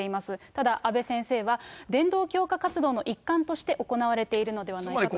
ただ阿部先生は、伝道教化活動の一環として行われているのではないかと。